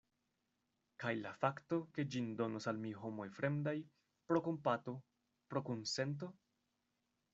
Kaj la fakto, ke ĝin donos al mi homoj fremdaj, pro kompato, pro kunsento?